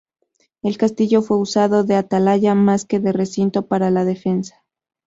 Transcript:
El castillo fue usado de atalaya más que de recinto para la defensa.